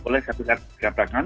boleh saya katakan